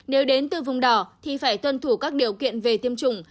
nếu đến từ vùng đỏ thì phải tuân thủ các điều kiện về tiêm chủng